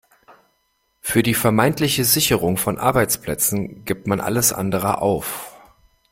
Für die vermeintliche Sicherung von Arbeitsplätzen gibt man alles andere auf.